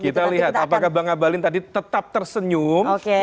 kita lihat apakah bang abalin tadi tetap tersenyum